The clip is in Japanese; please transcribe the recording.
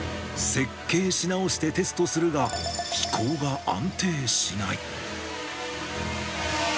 設計し直してテストするが、飛行が安定しない。